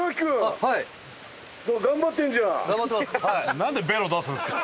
なんでベロ出すんですか？